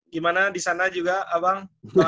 gimana di sana juga abang